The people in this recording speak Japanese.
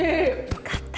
よかった。